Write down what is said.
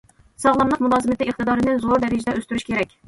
ساغلاملىق مۇلازىمىتى ئىقتىدارىنى زور دەرىجىدە ئۆستۈرۈش كېرەك.